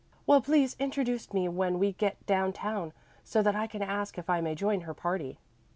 "Well please introduce me when we get down town, so that I can ask if I may join her party."